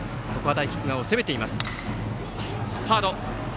大菊川を攻めています。